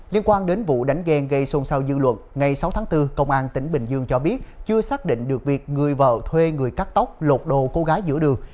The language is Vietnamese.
liên quan đến vụ đánh ghe gây xôn xao dư luận ngày sáu tháng bốn công an tỉnh bình dương cho biết chưa xác định được việc người vợ thuê người cắt tóc lột đồ cô gái giữa đường